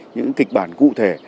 những kịch bản cụ thể